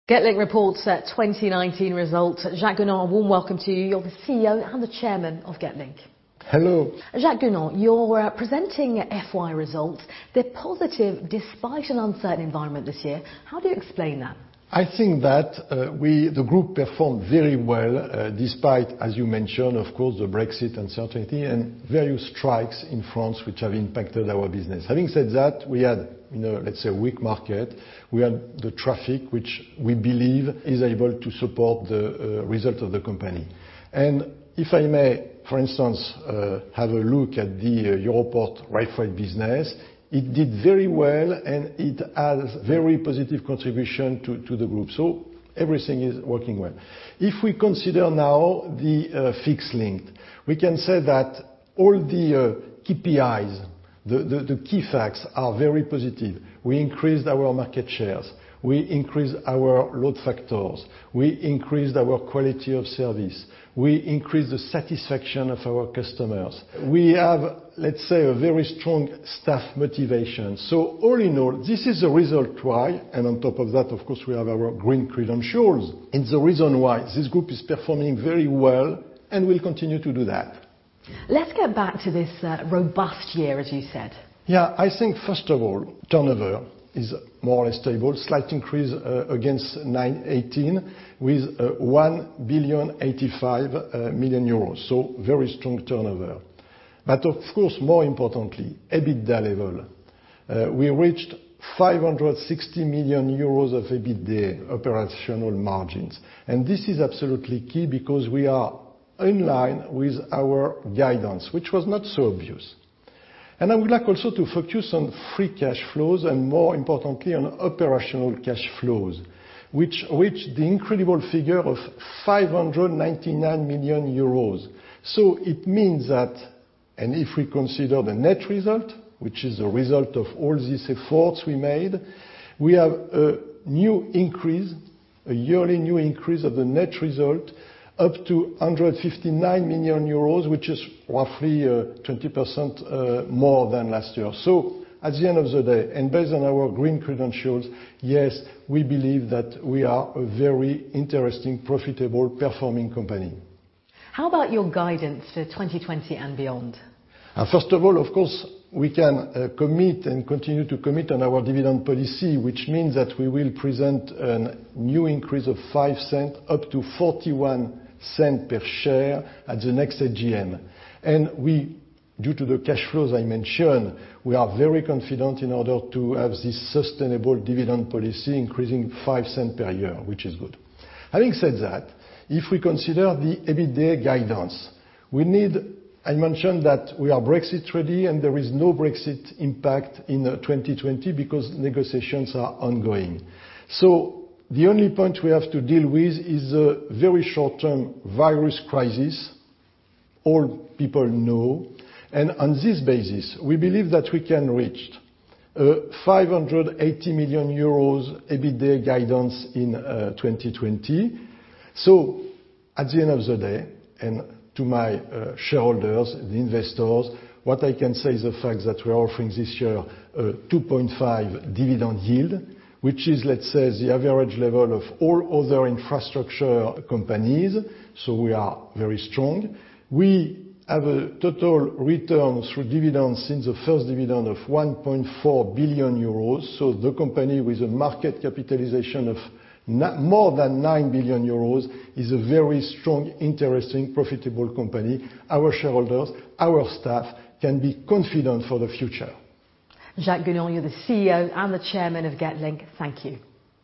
Getlink reports its 2019 results. Jacques Gounon, a warm welcome to you. You're the CEO and the Chairman of Getlink. Hello. Jacques Gounon, you're presenting FY results. They're positive despite an uncertain environment this year. How do you explain that? I think that the group performed very well, despite, as you mentioned, of course, the Brexit uncertainty and various strikes in France which have impacted our business. Having said that, we had, let's say, a weak market. We had the traffic, which we believe is able to support the result of the company. If I may, for instance, have a look at the Europorte railfreight business, it did very well, and it has a very positive contribution to the group. Everything is working well. If we consider now the Fixed Link, we can say that all the KPIs, the key facts, are very positive. We increased our market shares. We increased our load factors. We increased our quality of service. We increased the satisfaction of our customers. We have, let's say, a very strong staff motivation. All in all, this is the result why, and on top of that, of course, we have our green credentials, and the reason why this group is performing very well and will continue to do that. Let's get back to this robust year, as you said. Yeah. I think, first of all, turnover is more or less stable. Slight increase against 9/2018, with 1,085,000,000 euros. Very strong turnover. Of course, more importantly, EBITDA level. We reached 560 million euros of EBITDA operational margins. This is absolutely key because we are in line with our guidance, which was not so obvious. I would like also to focus on free cash flows and more importantly, on operational cash flows, which reached the incredible figure of 599 million euros. It means that, and if we consider the net result, which is a result of all these efforts we made, we have a yearly new increase of the net result up to 159 million euros, which is roughly 20% more than last year. At the end of the day, and based on our green credentials, yes, we believe that we are a very interesting, profitable performing company. How about your guidance for 2020 and beyond? First of all, of course, we can commit and continue to commit on our dividend policy, which means that we will present a new increase of 0.05 up to 0.41 per share at the next AGM. Due to the cash flows I mentioned, we are very confident in order to have this sustainable dividend policy increasing 0.05 per year, which is good. Having said that, if we consider the EBITDA guidance, I mentioned that we are Brexit ready and there is no Brexit impact in 2020 because negotiations are ongoing. The only point we have to deal with is a very short-term virus crisis all people know. On this basis, we believe that we can reach 580 million euros EBITDA guidance in 2020. At the end of the day, to my shareholders and investors, what I can say is the fact that we are offering this year a 2.5 dividend yield, which is, let's say, the average level of all other infrastructure companies. We are very strong. We have a total return through dividends since the first dividend of 1.4 billion euros. The company with a market capitalization of more than 9 billion euros is a very strong, interesting, profitable company. Our shareholders, our staff, can be confident for the future. Jacques Gounon, you're the CEO and the Chairman of Getlink. Thank you.